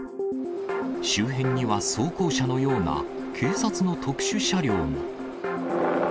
周辺には、装甲車のような、警察の特殊車両も。